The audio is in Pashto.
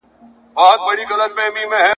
زه به راځم زه به تنها راځمه `